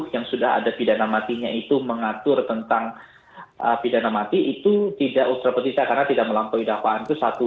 yang sudah ada pidana matinya itu mengatur tentang pidana mati itu tidak ultra petisa karena tidak melampaui dakwaan itu satu